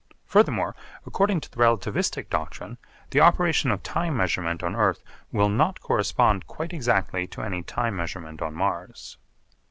Furthermore, according to the relativistic doctrine, the operation of time measurement on earth will not correspond quite exactly to any time measurement on Mars.